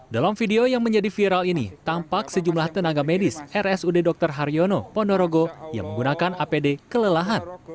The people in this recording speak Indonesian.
dalam video yang menjadi viral ini tampak sejumlah tenaga medis rsud dr haryono ponorogo yang menggunakan apd kelelahan